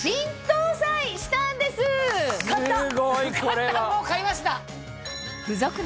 買ったもう買いました。